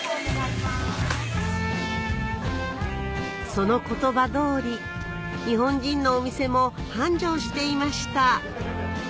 その言葉通り日本人のお店も繁盛していました